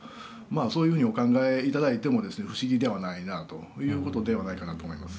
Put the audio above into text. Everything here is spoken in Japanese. そういうふうにお考えいただいても不思議ではないなということではないかなと思います。